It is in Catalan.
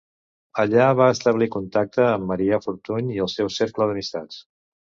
Allà va establir contacte amb Marià Fortuny i el seu cercle d'amistats.